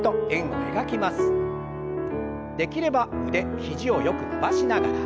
できれば腕肘をよく伸ばしながら。